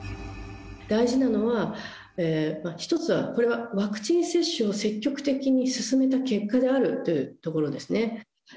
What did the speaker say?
大事なのは、一つはこれはワクチン接種を積極的に進めた結果であるというところですね。